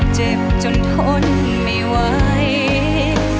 เจ็บจนทนไม่ไหว